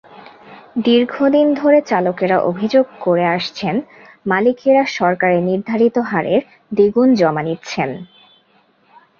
দীর্ঘদিন ধরে চালকেরা অভিযোগ করে আসছেন, মালিকেরা সরকারনির্ধারিত হারের দ্বিগুণ জমা নিচ্ছেন।